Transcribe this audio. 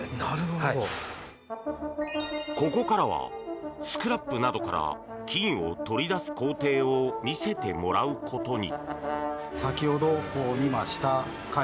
ここからはスクラップなどから金を取り出す工程を見せてもらうことに！